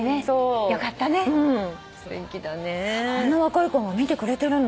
あんな若い子が見てくれてるんだって。